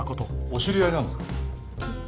お知り合いなんですか？